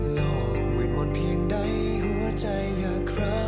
หลอดเหมือนมนต์เพียงใดหัวใจอย่าคร้า